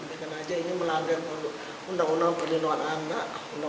sekarang saja ingin melanggar undang undang perlindungan anak